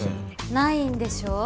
ないんでしょ？